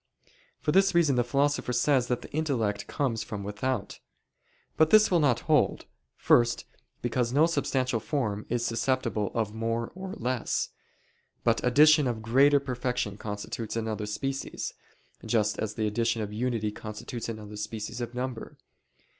For this reason the Philosopher says that the intellect comes from without. But this will not hold. First, because no substantial form is susceptible of more or less; but addition of greater perfection constitutes another species, just as the addition of unity constitutes another species of number.